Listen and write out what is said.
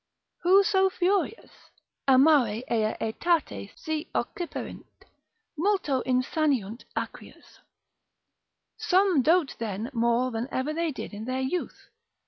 Who so furious? Amare ea aetate si occiperint, multo insaniunt acrius. Some dote then more than ever they did in their youth.